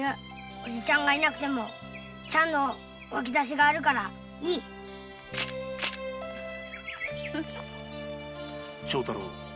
おじちゃんがいなくても「ちゃん」の脇差があるからいい庄太郎。